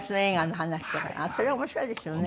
それ面白いですよね。